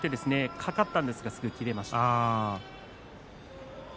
かかったんですが切れました。